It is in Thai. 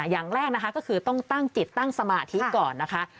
อย่างแรกนะคะก็คือต้องตั้งจิตตั้งสมาธิก่อนนะคะ